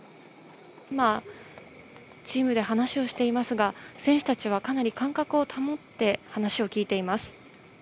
今、チームで話をしていますが、選手たちはかなり間隔を保って、話を聞いています。